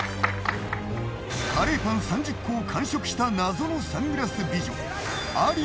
カレーパン３０個を完食した謎のサングラス美女。